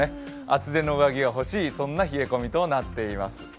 厚手の上着が欲しい、そんな冷え込みとなっています。